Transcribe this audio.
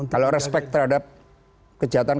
kalau respect terhadap kejahatan